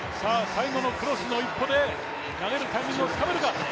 最後のクロスの一歩で投げるタイミングをつかめるか。